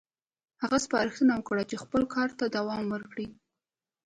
هغه سپارښتنه وکړه چې خپل کار ته دوام ورکړي.